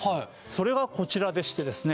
それがこちらでしてですね